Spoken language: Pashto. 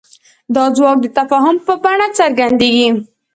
دا ځواک د تفاهم په بڼه څرګندېږي.